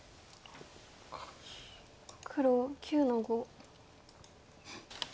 黒９の五。